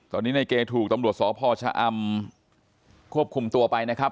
ตอนนี้นายเก๊ถูกตำลวชศพชอัมควบคุมตัวไปนะครับ